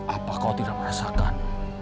apa kau tidak merasakan